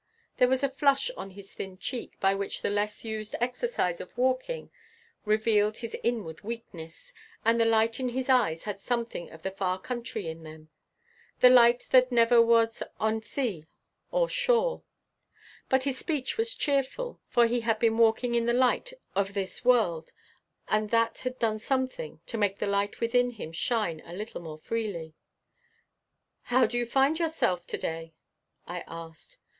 There was a flush on his thin cheek by which the less used exercise of walking revealed his inward weakness, and the light in his eyes had something of the far country in them "the light that never was on sea or shore." But his speech was cheerful, for he had been walking in the light of this world, and that had done something to make the light within him shine a little more freely. "How do you find yourself to day?" I asked.